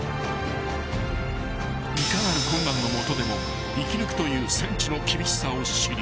［いかなる困難の下でも生き抜くという戦地の厳しさを知り］